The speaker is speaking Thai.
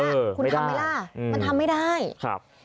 คุณทำไมล่ะมันทำไม่ได้ครับไม่ได้